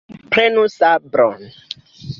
Prenu sabron!